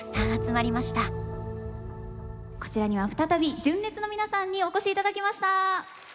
こちらには再び純烈の皆さんにお越しいただきました。